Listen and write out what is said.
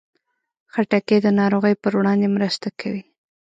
خټکی د ناروغیو پر وړاندې مرسته کوي.